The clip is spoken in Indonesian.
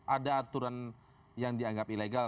ada aturan yang dianggap ilegal